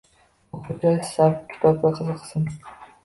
O‘quvchilar siz sabab kitobga qiziqsin.